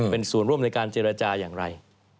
เป็นส่วนร่วมในการเจรจาอย่างไร